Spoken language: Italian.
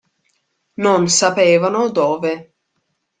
Non sapevano dove.